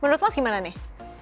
menurut mas gimana nih